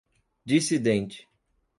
dissidente